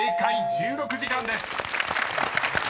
「１６時間」です］